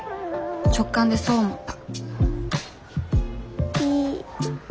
直感でそう思ったピ。